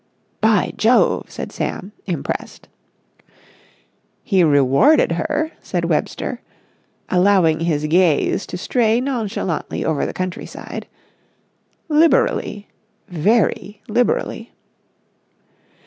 "By Jove!" said Sam, impressed. "He rewarded her," said Webster, allowing his gaze to stray nonchalantly over the countryside, "liberally, very liberally."